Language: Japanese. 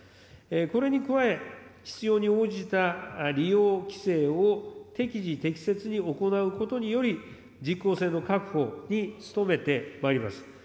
これに加え、必要に応じた利用規制を適時適切に行うことにより、実効性の確保に努めてまいります。